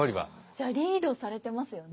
じゃあリードされてますよね。